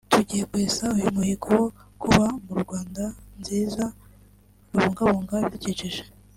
tugiye kwesa uyu muhigo wo kuba mu Rwanda rwiza rubungabunga ibidukikije